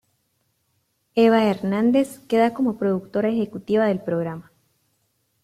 Eva Hernández queda como productora ejecutiva del programa.